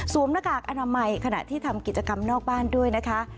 หน้ากากอนามัยขณะที่ทำกิจกรรมนอกบ้านด้วยนะคะ